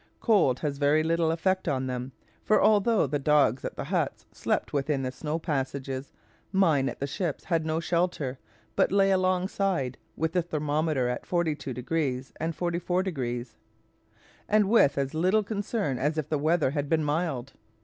Cold has very little effect on them; for although the dogs at the huts slept within the snow passages, mine at the ships had no shelter, but lay alongside, with the thermometer at 42° and 44°, and with as little concern as if the weather had been mild.